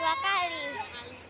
sudah berapa kali tadi main ya